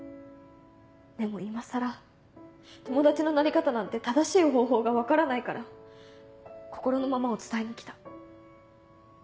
でも今更友達のなり方なんて正しい方法が分からないから心のままを伝えに来た。